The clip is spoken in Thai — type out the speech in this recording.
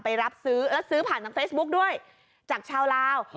รับซื้อแล้วซื้อผ่านทางเฟซบุ๊กด้วยจากชาวลาว